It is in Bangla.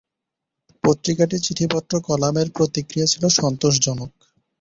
পত্রিকাটির চিঠিপত্র কলামের প্রতিক্রিয়া ছিল সন্তোষজনক।